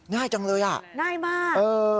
ง่ายจังเลยอ่ะง่ายมาก